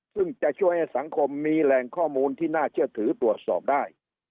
ซึ่งจะช่วยให้สังคมมีแหล่งข้อมูลที่น่าเชื่อถือตรวจสอบได้